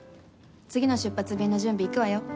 次の出発便の準備行くわよ。